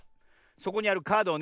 そこにあるカードをね